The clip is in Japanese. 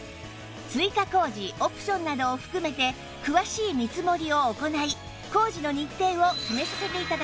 追加工事オプションなどを含めて詳しい見積もりを行い工事の日程を決めさせて頂きます